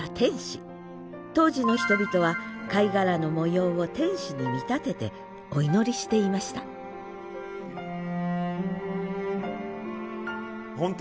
当時の人々は貝殻の模様を天使に見立ててお祈りしていました本当